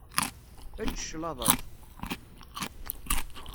Ečč claḍa-k.